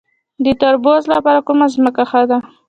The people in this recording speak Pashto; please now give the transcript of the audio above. د تربوز لپاره کومه ځمکه ښه ده؟